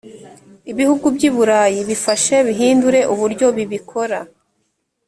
ibihugu by i burayi bifashe bihindure uburyo bibikora .